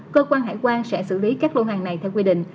cơ quan hải quan sẽ xử lý các lô hàng này theo quy định